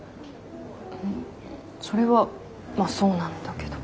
それはまあそうなんだけど。